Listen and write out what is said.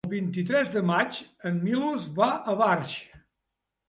El vint-i-tres de maig en Milos va a Barx.